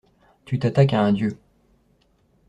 Tu t'attaques à un dieu.